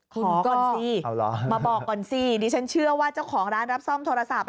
ขอก่อนสิมาบอกก่อนสิดิฉันเชื่อว่าเจ้าของร้านรับซ่อมโทรศัพท์